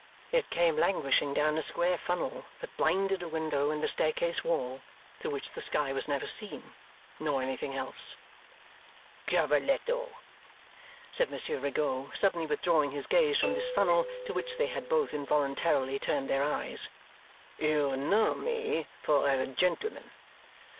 It came languishing down a square funnel that blinded a window in the staircase wall, through which the sky was never seen nor anything else. 'Cavalletto,' said Monsieur Rigaud, suddenly withdrawing his gaze from this funnel to which they had both involuntarily turned their eyes, 'you know me for a gentleman?